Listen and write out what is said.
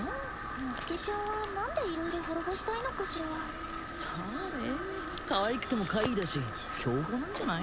もっけちゃんは何で色々滅ぼしたいのかしらさあねかわいくても怪異だし凶暴なんじゃない？